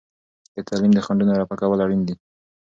د تعلیم د خنډونو رفع کول اړین دي.